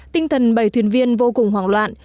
tinh thần bảy thuyền viên vô cùng hoảng loạn